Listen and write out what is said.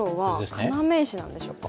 要石なんでしょうか？